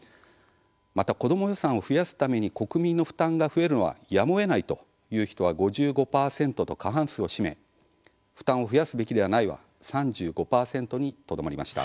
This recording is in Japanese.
また子ども予算を増やすために国民の負担が増えるのはやむをえないという人は５５％と過半数を占め負担を増やすべきではないは３５％にとどまりました。